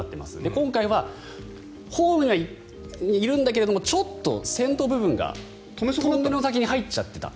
今回は、ホームにはいるんだけどちょっと先頭部分がトンネルの先に入っちゃってた。